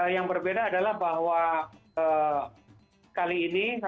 yang berbeda adalah bahwa kali ini ramadan